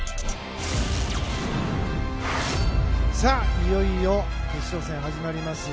いよいよ決勝戦が始まります。